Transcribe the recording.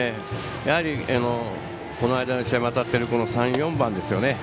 やはり、この間の試合も当たっている３、４番ですよね。